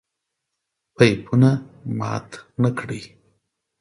پيپونه مات نکړئ!